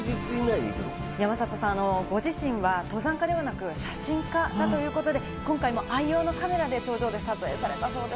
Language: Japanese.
山里さん、ご自身は登山家ではなく写真家だということで、今回、愛用のカメラで頂上で撮影されたそうです。